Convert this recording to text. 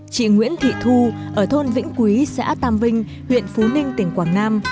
chị nguyễn thị thu ở thôn vĩnh quý xã tam vinh huyện phú ninh tỉnh quảng nam